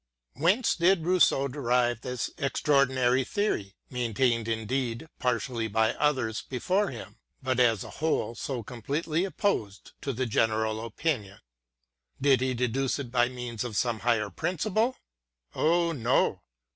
Whence did Rousseau derive this extraordinary theory, maintained indeed partially by others before him, but as a whole so completely opposed to the general opinion? Did he deduce it by reason from some higher principle? Oh no